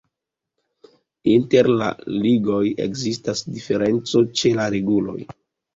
Inter la ligoj ekzistas diferenco ĉe la reguloj.